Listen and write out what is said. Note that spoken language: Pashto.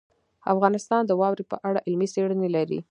افغانستان د واوره په اړه علمي څېړنې لري.